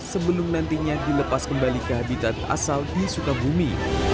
sebelum nantinya dilepas kembali ke habitat asal di sukabumi